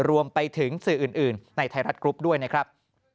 รวมไปถึงสื่ออื่นในไทยรัฐกรุ๊ปด้วยนะครับ